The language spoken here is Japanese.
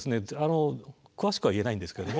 詳しくは言えないんですけれども。